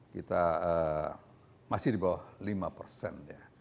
kita masih di bawah lima persen